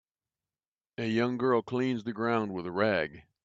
A young girl cleans the ground with a rag.